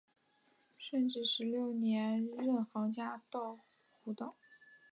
顺治十六年任杭嘉湖道。